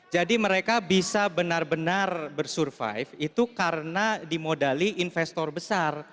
jadi mereka bisa benar benar bersurvive itu karena dimodali investor besar